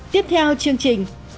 tiếp theo chương trình